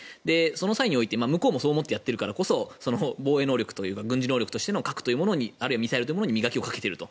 その際において向こうもそう思ってやっているからこそ防衛能力、軍事能力としての核あるいはミサイルというものに磨きをかけていると。